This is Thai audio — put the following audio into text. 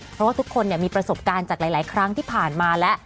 เพราะว่าทุกคนมีประสบการณ์จากหลายครั้งที่ผ่านมาแล้ว